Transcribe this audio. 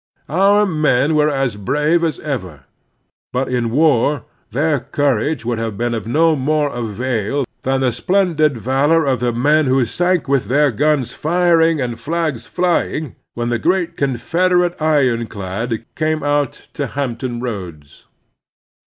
Our men were as brave as ever, but in war their courage would have been of no more avail than the splen did valor of the men who sank with their guns firing and flags flying when the great Confederate ironclad came out to Hampton Roads.